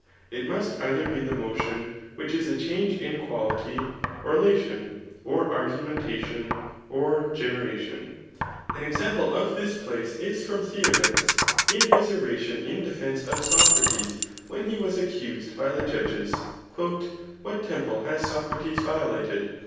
it must either be the motion which is a change in qualify, or lation, or . augmentation, or geBeradon«3' An ex* ample of this place is from Theodect^s in his oration in defence of Socrates [when he was accused by the judges ;]^' What temple has Socrates violated